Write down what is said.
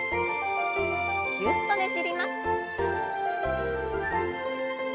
ぎゅっとねじります。